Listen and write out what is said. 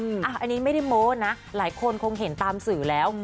อันนี้ไม่ได้โม้นะหลายคนคงเห็นตามสื่อแล้ว